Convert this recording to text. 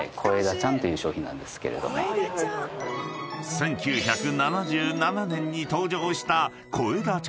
［１９７７年に登場した］